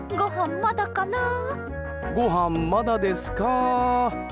ごはんまだですか。